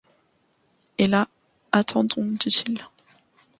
et là :« Attendons, dit-il.